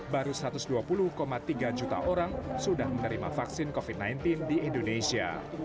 baru satu ratus dua puluh tiga juta orang sudah menerima vaksin covid sembilan belas di indonesia